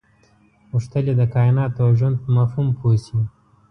غوښتل یې د کایناتو او ژوند په مفهوم پوه شي.